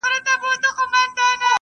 دا هېواد ډېرې طبیعي سرچینې لري.